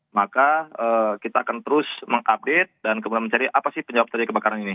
maka kita akan terus mengupdate dan kemudian mencari apa sih penyebab terjadi kebakaran ini